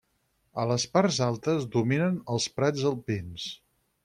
A les parts altes dominen els prats alpins.